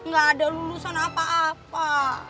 gak ada lulusan apa apa